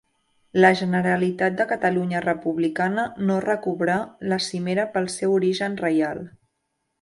La Generalitat de Catalunya republicana no recobrà la cimera pel seu origen reial.